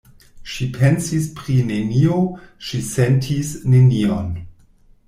Ŝi pensis pri nenio, ŝi sentis nenion.